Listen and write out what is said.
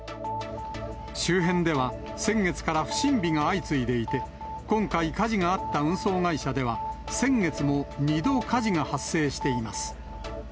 周辺では先月から不審火が相次いでいて、今回火事があった運送会社では、先月も２度、火事が発生しています。